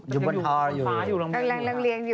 อยู่บนฮอยู่เป็นฟ้าอยู่ลำเลียง